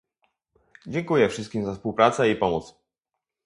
Dziękuję wszystkim za współpracę i pomoc